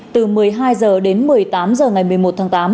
từ một mươi hai giờ đến một mươi tám giờ ngày một mươi một tháng tám